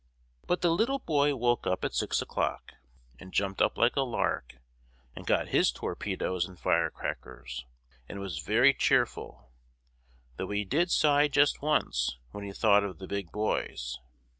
But the Little Boy woke up at six o'clock, and jumped up like a lark, and got his torpedoes and firecrackers, and was very cheerful, though he did sigh just once when he thought of the big boys.